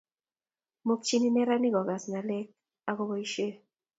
Muukchini neranik ko kagas ngalek ab boishe